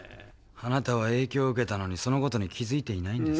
あなたは影響を受けたのにそのことに気づいていないんです。